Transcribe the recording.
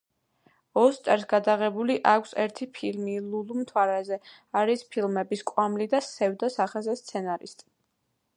ოსტერს გადაღებული აქვს ერთი ფილმი „ლულუ მთვარეზე“, არის ფილმების „კვამლი“ და „სევდა სახეზე“ სცენარისტი.